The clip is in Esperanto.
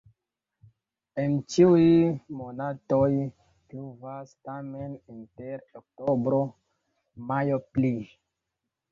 En ĉiuj monatoj pluvas, tamen inter oktobro-majo pli.